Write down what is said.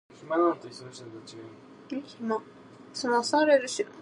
Walkinshaw's first television appearance was as an extra in "Grange Hill".